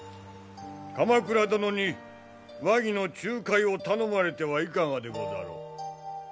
鎌倉殿に和議の仲介を頼まれてはいかがでござろう。